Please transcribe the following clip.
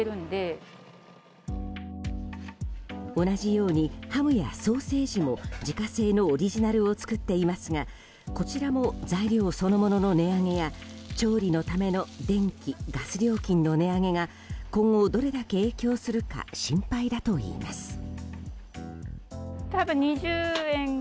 同じようにハムやソーセージも自家製のオリジナルを作っていますがこちらも材料そのものの値上げや調理のための電気、ガス料金の値上げが今後、どれだけ影響するか心配だといいます。